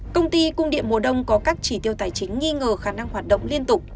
công ty cung điện mùa đông có các chỉ tiêu tài chính nghi ngờ khả năng hoạt động liên tục